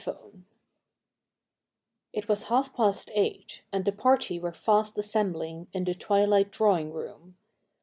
CHAPTER n It was half past eight, and the party were fast assembling in the twilight drawing room.